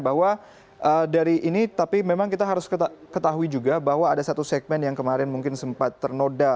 bahwa dari ini tapi memang kita harus ketahui juga bahwa ada satu segmen yang kemarin mungkin sempat ternoda